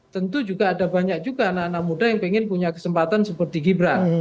tentu juga ada banyak juga anak anak muda yang pengen punya kesempatan seperti gibran